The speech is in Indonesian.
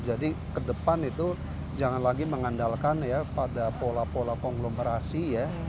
jadi kedepan itu jangan lagi mengandalkan ya pada pola pola konglomerasi ya